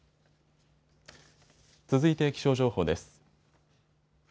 続いて気象情報です。